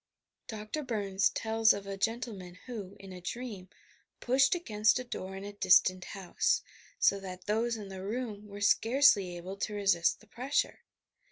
Dr. Burns tells of a gentleman, who, in a dream, pushed against a door in a distant house, so that those in the room were scarcely able to resist the pressure